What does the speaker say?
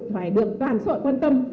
phải được toàn soạn quan trọng